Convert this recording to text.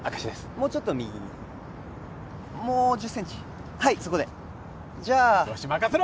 もうちょっと右にもう１０センチはいそこでじゃあよし任せろ！